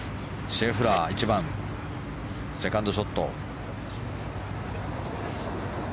シェフラー、１番のセカンドショット。